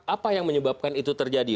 apa yang menyebabkan itu terjadi